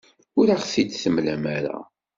Ur aɣ-tent-id-temlam ara.